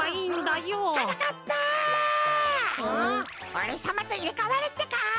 おれさまといれかわるってか！